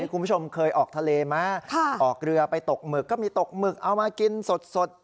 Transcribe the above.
คุณผู้ชมเคยออกทะเลไหมออกเรือไปตกหมึกก็มีตกหมึกเอามากินสด